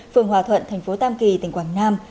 phường hòa thuận thành phố tam kỳ tỉnh quảng nam